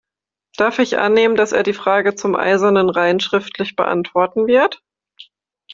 Darf ich annehmen, dass er die Frage zum "Eisernen Rhein" schriftlich beantworten wird?